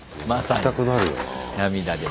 泣きたくなるよなあ。